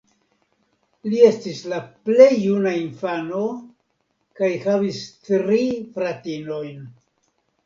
Li estis la plej juna infano kaj havis tri fratinojn.